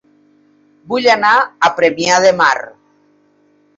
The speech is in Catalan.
Vull anar a Premià de Mar